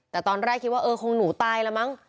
แต่ตอนแรกคิดว่าเออคงหนูตายแล้วมั้ง